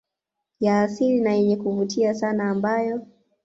ya asili na yenye kuvutia sana ambayo